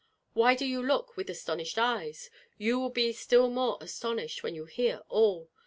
Why do you look with astonished eyes? You will be still more astonished when you hear all.